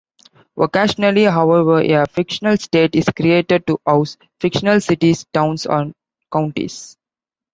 Occasionally, however, a fictional state is created to house fictional cities, towns, or counties.